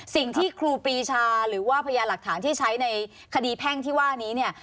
ครูปีชาหรือว่าพยานหลักฐานที่ใช้ในคดีแพ่งที่ว่านี้เนี่ย